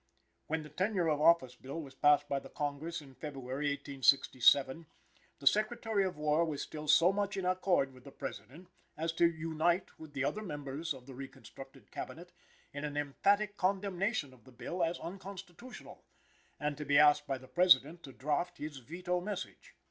When the Tenure of Office bill was passed by the Congress in February, 1867, the Secretary of War was still so much in accord with the President as to unite with the other members of the reconstructed Cabinet in an emphatic condemnation of the bill as unconstitutional, and to be asked by the President to draft his veto message.